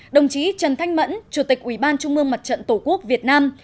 đồng chí trần thanh mẫn chủ tịch ủy ban trung mương mặt trận tổ quốc việt nam